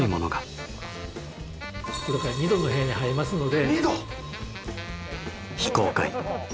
これから２℃の部屋に入りますので。